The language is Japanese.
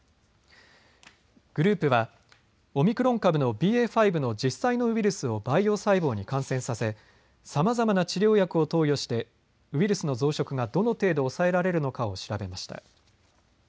グループはオミクロン株のＢＡ．５の実際のウイルスを培養細胞に感染させ、さまざまな治療薬を投与してウイルスの増殖がどの程度、抑えられるのかを調べました。